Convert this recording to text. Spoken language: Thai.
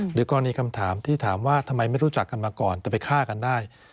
หรือกรณีคำถามที่ถามว่าทำไมไม่รู้จักกันมาก่อนจะไปฆ่ากันได้